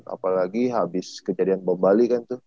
apalagi habis kejadian bom bali kan tuh